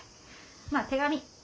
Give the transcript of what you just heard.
まあ手紙。